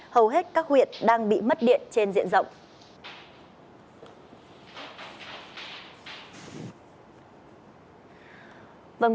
hầu hết các huyện đang bị mất điện trên diện rộng